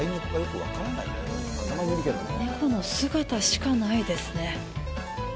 ネコの姿しかないですね。